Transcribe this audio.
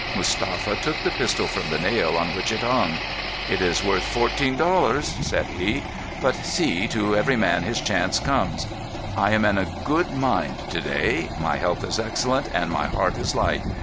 Mustapha took the pistol from the nail on which it hung. "It is worth fourteen dollars," said he. "But, see, to every man his chance comes. I am in a good mind to day. My health is excellent and my heart is light.